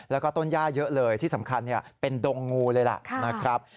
แล้วก็ต้นย่าเยอะเลยที่สำคัญเป็นดงงูเลยล่ะนะครับ